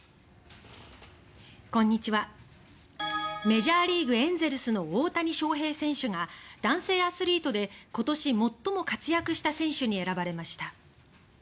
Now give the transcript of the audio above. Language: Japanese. メジャーリーグエンゼルスの大谷翔平選手が男性アスリートで今年、最も活躍した選手に選ばれました。